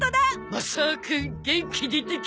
マサオくん元気出てきた。